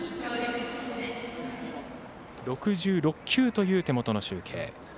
６６球という手元の集計。